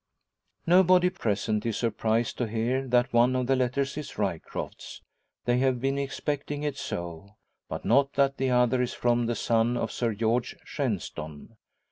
Nobody present is surprised to hear that one of the letters is Ryecroft's. They have been expecting it so. But not that the other is from the son of Sir George Shenstone.